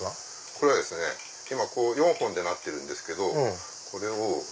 これはですね今こう４本でなってるんですけどこれを。